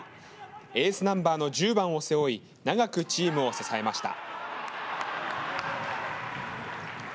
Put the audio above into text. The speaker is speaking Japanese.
エースナンバーの１０番を背負い長くチームを支えました。